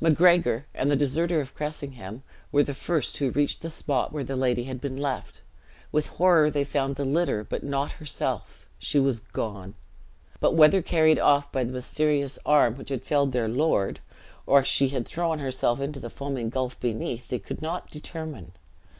Macgregor, and the deserter of Cressingham, were the first who reached the spot where the lady had been left; with horror they found the litter, but not herself. She was gone. But whether carried off by the mysterious arm which had felled their lord, or she had thrown herself into the foaming gulf beneath, they could not determine.